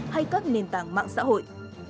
hay các nền tảng mạng xã hội